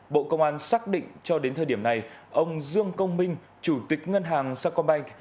bộ công an xác định cho đến thời điểm này ông dương công minh chủ tịch ngân hàng sacombank